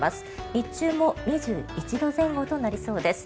日中も２１度前後となりそうです。